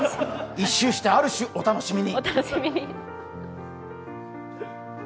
１週してある種お楽しみに。